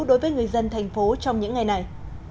đối với người dân thành phố trong những ngày này